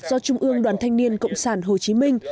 do trung ương đoàn thanh niên cộng sản hồ chí minh